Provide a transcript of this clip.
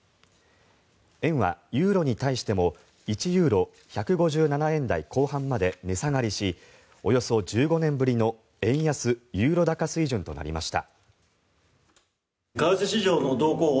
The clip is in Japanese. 円はユーロに対しても１ユーロ＝１５７円台後半まで値下がりしおよそ１５年ぶりの円安・ユーロ高水準となりました。